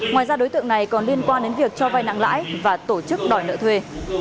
ngoài ra đối tượng này còn liên quan đến việc cho vai nặng lãi và tổ chức đòi nợ thuê